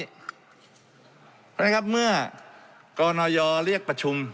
เพราะฉะนั้นครับเมื่อกรณยเรียกประชุม